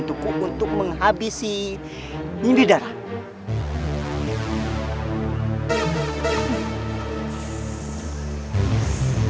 saya ingin memilih vie n flor kaho